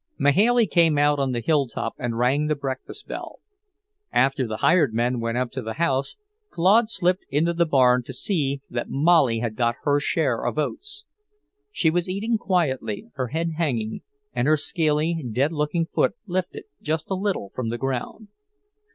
Mahailey came out on the hilltop and rang the breakfast bell. After the hired men went up to the house, Claude slipped into the barn to see that Molly had got her share of oats. She was eating quietly, her head hanging, and her scaly, dead looking foot lifted just a little from the ground.